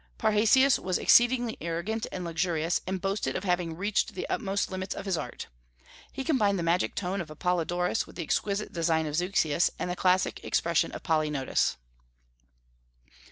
Parrhasius was exceedingly arrogant and luxurious, and boasted of having reached the utmost limits of his art. He combined the magic tone of Apollodorus with the exquisite design of Zeuxis and the classic expression of Polygnotus.